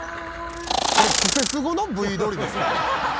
これ『クセスゴ』のＶ撮りですか？